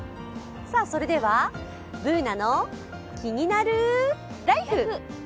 それでは「ＢｏｏｎａのキニナルＬＩＦＥ」。